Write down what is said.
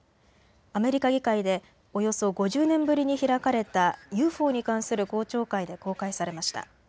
アメリカ議会でおよそ５０年ぶりに開かれたＵＦＯに関する公聴会で公開されました。